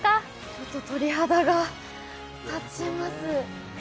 ちょっと鳥肌が立ちます。